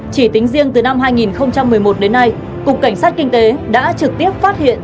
chỉ tính riêng từ năm hai nghìn một mươi một đến nay cục cảnh sát kinh tế đã trực tiếp phát hiện